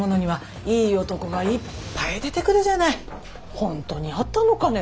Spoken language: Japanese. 本当にあったのかねぇ。